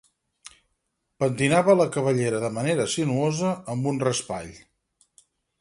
Pentinava la cabellera de manera sinuosa amb un raspall.